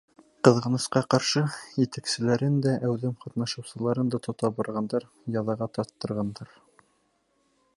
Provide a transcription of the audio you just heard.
Ҡыҙғанысҡа ҡаршы, етәкселәрен дә, әүҙем ҡатнашыусыларын да тота барғандар, язаға тарттырғандар.